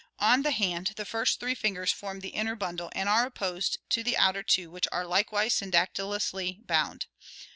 On the hand the first three fingers form the inner bundle and are opposed to the outer two which are likewise syn dactylously bound.